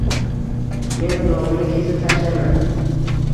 Men qulog‘imni kesib tashlayman.